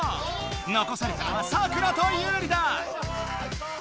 のこされたのはサクラとユウリだ！